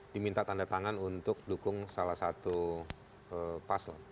diminta tanda tangan untuk dukung salah satu paslon